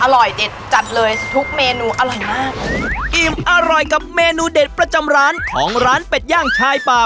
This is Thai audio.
เด็ดจัดเลยทุกเมนูอร่อยมากอิ่มอร่อยกับเมนูเด็ดประจำร้านของร้านเป็ดย่างชายป่า